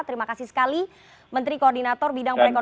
terima kasih sekali menteri koordinator bidang perekonomian